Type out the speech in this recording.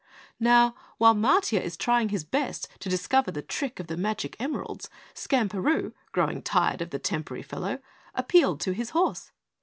"Now while Matiah is trying his best to discover the trick of the magic emeralds, Skamperoo, growing tired of the tempery fellow, appealed to his horse.